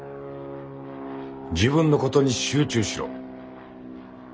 自分のことに集中しろ。